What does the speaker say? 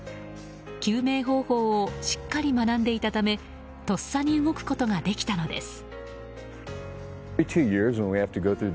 救命方法をしっかり学んでいたためとっさに動くことができたのです。